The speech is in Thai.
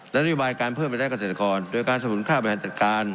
และนโยบายการเพิ่มรายได้เกษตรกรโดยการสนุนค่าบริหารจัดการ